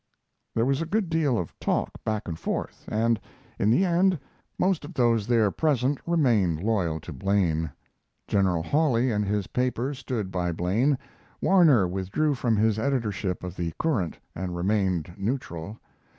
There was a good deal of talk back and forth, and, in the end, most of those there present remained loyal to Blaine. General Hawley and his paper stood by Blaine. Warner withdrew from his editorship of the Courant and remained neutral.